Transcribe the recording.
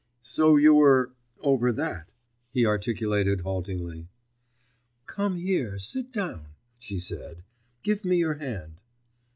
'So you were ... over that,' he articulated haltingly. 'Come here, sit down,' she said, 'give me your hand.